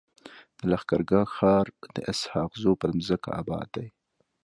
د لښکر ګاه ښار د اسحق زو پر مځکه اباد دی.